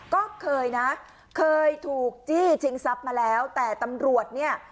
ก็เคยนะเคยถูกจี้ชิงทรัพย์มาแล้วแต่ตำรวจเนี่ย